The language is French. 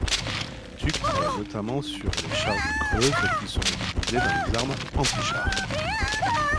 Tuck travaille notamment sur les charges creuses qui seront utilisées dans les armes antichars.